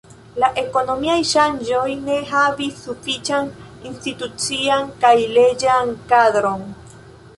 La ekonomiaj ŝanĝoj ne havis sufiĉan institucian kaj leĝan kadron.